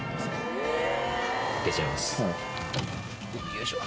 よいしょ。